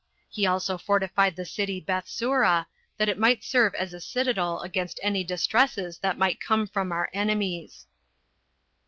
He also fortified the city Bethsura, that it might serve as a citadel against any distresses that might come from our enemies.